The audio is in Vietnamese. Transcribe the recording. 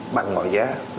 bằng ngoại giá